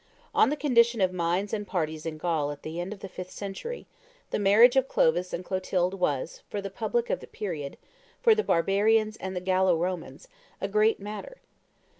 In the condition of minds and parties in Gaul at the end of the fifth century the marriage of Clovis and Clotilde was, for the public of the period, for the barbarians and for the Gallo Romans, a great matter.